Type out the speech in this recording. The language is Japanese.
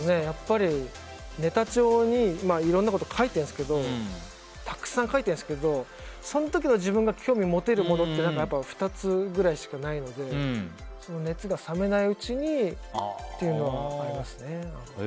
やっぱり、ネタ帳にいろんなこと書いてるんですけどたくさん書いてるんですけどその時の自分が興味持てるものって２つくらいしかないので熱が冷めないうちにっていうのはありますね。